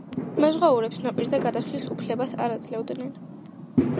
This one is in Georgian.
მეზღვაურებს ნაპირზე გადასვლის უფლებას არ აძლევდნენ.